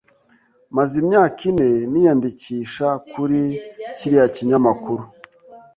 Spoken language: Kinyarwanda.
Maze imyaka ine niyandikisha kuri kiriya kinyamakuru.